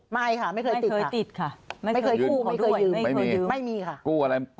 ไม่ค่ะไม่เคยติดไม่เคยคู่ไม่เคยยืม